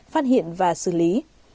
phát hiện và xử lý